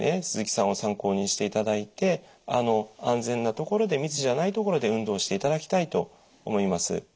鈴木さんを参考にしていただいて安全な所で密じゃない所で運動していただきたいと思います。